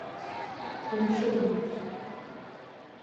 — Кумшо ий.